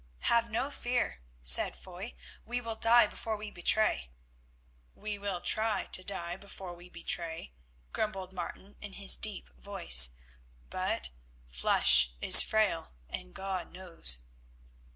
"Have no fear," said Foy. "We will die before we betray." "We will try to die before we betray," grumbled Martin in his deep voice, "but flesh is frail and God knows."